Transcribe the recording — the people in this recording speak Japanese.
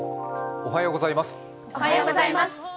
おはようございます。